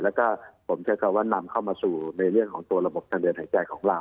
แล้วก็ผมใช้คำว่านำเข้ามาสู่ในเรื่องของตัวระบบทางเดินหายใจของเรา